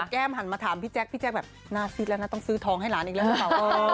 แก้มหันมาถามพี่แจ๊กแบบน่าซิดแล้วนะต้องซื้อทองให้หลานอีกแล้ว